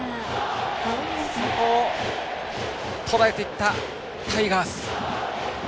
そこをとらえていったタイガース。